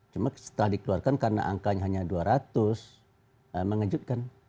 cuma setelah dikeluarkan karena angkanya hanya dua ratus mengejutkan